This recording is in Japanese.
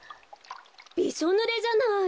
びしょぬれじゃない！